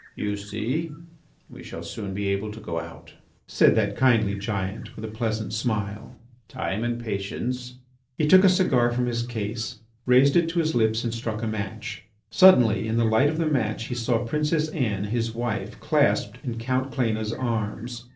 "You see we shall soon be able to go out," said that kindly giant, with a pleasant smile. "Time and patience ..." He took a cigar from his case, raised it to his lips and struck a match. Suddenly, in the light of the match, he saw Princess Anne, his wife, clasped in Count Cléna's arms.